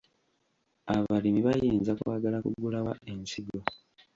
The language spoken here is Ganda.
Abalimi bayinza kwagala kugula wa ensigo?